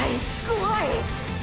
怖い！！